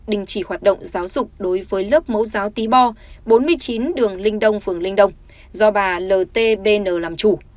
đình chỉ hoạt động giáo dục đối với lớp mẫu giáo tí bo bốn mươi chín đường linh đông phường linh đông do bà l t b n làm chủ